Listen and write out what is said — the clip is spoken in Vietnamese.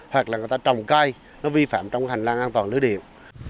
hoặc là người ta trồng cây nó vi phạm trong hành lang an toàn lưới điện